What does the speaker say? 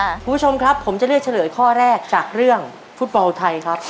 คุณผู้ชมครับผมจะเลือกเฉลยข้อแรกจากเรื่องฟุตบอลไทยครับ